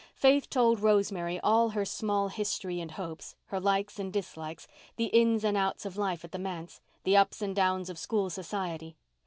Faith told Rosemary all her small history and hopes, her likes and dislikes, the ins and outs of life at the manse, the ups and downs of school society.